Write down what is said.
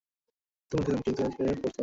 তন্মধ্যে অনেকেই থাকতে প্রত্যাখ্যান করছে।